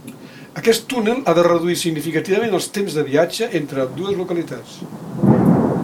Aquest túnel ha de reduir significativament els temps de viatge entre ambdues localitats.